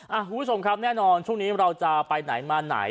คุณผู้ชมครับแน่นอนช่วงนี้เราจะไปไหนมาไหน